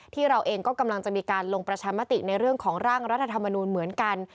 ที่เราเองก็กำลังจะมีการลงประชามติในเรื่องของร่างรัฐธรรมนูลเหมือนกัน